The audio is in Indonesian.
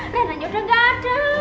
reina nya udah gak ada